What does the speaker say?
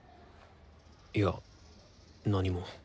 いや何も。